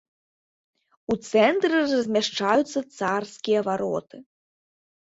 У цэнтры размяшчаюцца царскія вароты.